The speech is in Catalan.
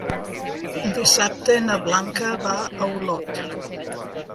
Dissabte na Blanca va a Olot.